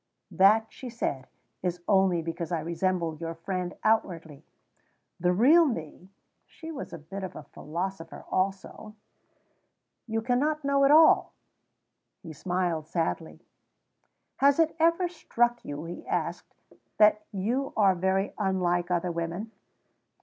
"That," she said, "is only because I resemble your friend outwardly. The real me (she was a bit of philosopher also) you cannot know at all." He smiled sadly. "Has it ever struck you," he asked, "that you are very unlike other women?"